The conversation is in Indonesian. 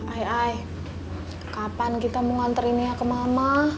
ai ai kapan kita mau nganter ini ya ke mama